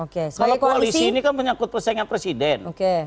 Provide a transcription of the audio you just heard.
kalau koalisi ini kan menyangkut persaingan presiden